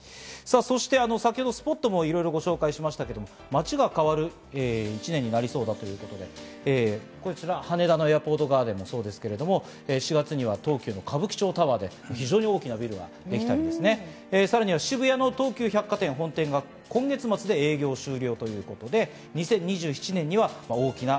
そして先ほどスポットもご紹介しましたけど、街が変わる一年になりそうだということで、こちらは羽田のエアポートガーデンですけど、４月には東急歌舞伎町タワー、非常に大きなビルができたり、さらには渋谷の東急百貨店本店が今月末で営業終了。